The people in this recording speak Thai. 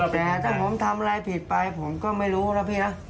แต่ถ้าผมทำอะไรผิดไปผมก็ไม่รู้นะพี่นะ